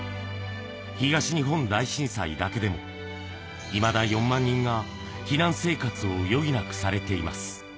東日本大震災だけでも、いまだ４万人が避難生活を余儀なくされています。